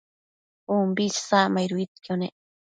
umbi isacmaiduidquio nec